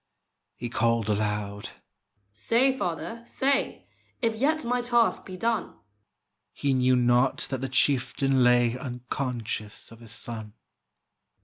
A._] He called aloud, "Say, father, say, If yet my task be done!" He knew not that the chieftain lay Unconscious of his son.